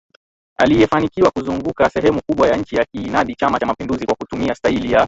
aliyefanikiwa kuzunguka sehemu kubwa ya nchi akiinadi Chama cha mapinduzi kwa kutumia staili ya